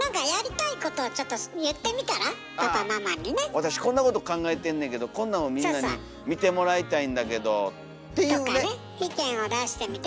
私こんなこと考えてんねんけどこんなんをみんなに見てもらいたいんだけどっていうね。とかね意見を出してみて。